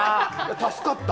助かった。